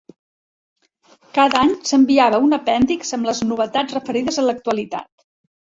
Cada any s'enviava un apèndix amb les novetats referides a l'actualitat.